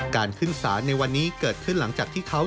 ขึ้นศาลในวันนี้เกิดขึ้นหลังจากที่เขา